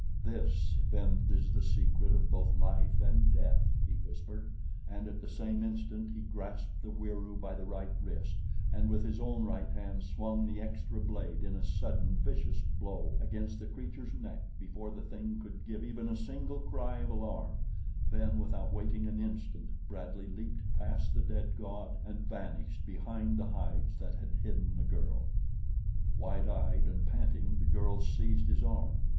"This then is the secret of both life and death," he whispered, and at the same instant he grasped the Wieroo by the right wrist and with his own right hand swung the extra blade in a sudden vicious blow against the creature's neck before the thing could give even a single cry of alarm; then without waiting an instant Bradley leaped past the dead god and vanished behind the hides that had hidden the girl. Wide eyed and panting the girl seized his arm.